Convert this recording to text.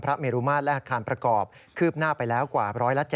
เมรุมาตรและอาคารประกอบคืบหน้าไปแล้วกว่า๑๗๐